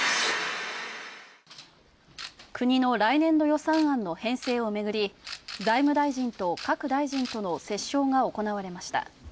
国の来年度予算案の編成をめぐり、財務大臣と各大臣との折衝が行われました。